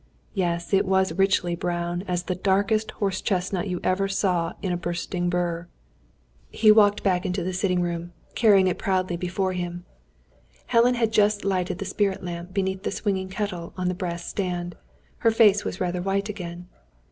Yes, it was as richly brown as the darkest horse chestnut you ever saw in a bursting bur! He walked back into the sitting room, carrying it proudly before him. Helen had just lighted the spirit lamp beneath the swinging kettle on the brass stand. Her face was rather white again.